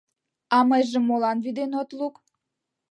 А мыйжым молан вӱден от лук?...